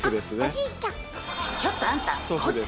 ちょっとあんた！